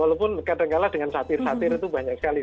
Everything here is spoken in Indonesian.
walaupun kadang kadang lah dengan satir satir itu banyak sekali